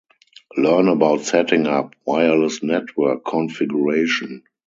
Learn about setting up wireless network configuration.